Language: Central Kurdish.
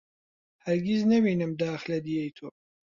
هەرگیز نەوینم داخ لە دییەی تۆ